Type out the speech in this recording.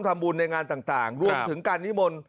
ทำงานต่างรวมถึงการนิยมล